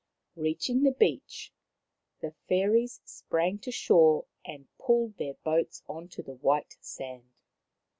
Reaching the beach, the fairies sprang to shore and pulled their boats on to the white sand.